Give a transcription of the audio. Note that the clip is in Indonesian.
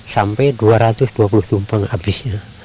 sampai dua ratus dua puluh tumpeng habisnya